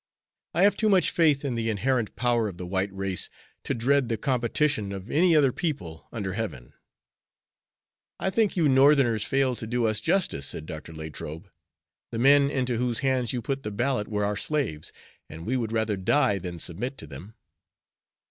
I have too much faith in the inherent power of the white race to dread the competition of any other people under heaven." "I think you Northerners fail to do us justice," said Dr. Latrobe. "The men into whose hands you put the ballot were our slaves, and we would rather die than submit to them.